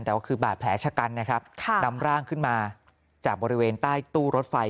แต่ว่าคือบาดแผลชะกันนะครับนำร่างขึ้นมาจากบริเวณใต้ตู้รถไฟ